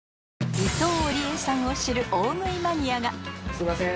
すいません